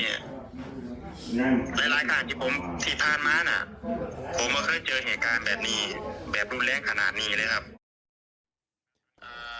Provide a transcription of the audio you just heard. ผมก็เคยเจอเหตุการณ์แบบนี้แบบรุนแรงขนาดนี้เลยนะครับ